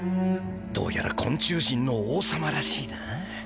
どうやら昆虫人の王様らしいな。